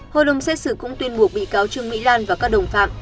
hội đồng xét xử cũng tuyên buộc bị cáo trương mỹ lan và các đồng phạm